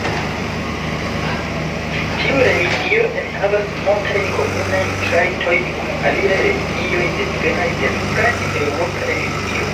Tiu religio enhavas multajn komunajn trajtojn kun aliaj religioj devenaj el pra-hindeŭropa religio.